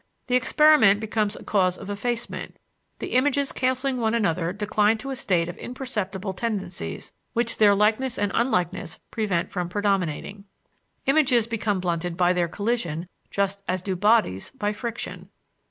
The experiment becomes a cause of effacement; the images canceling one another decline to a state of imperceptible tendencies which their likeness and unlikeness prevent from predominating. Images become blunted by their collision just as do bodies by friction.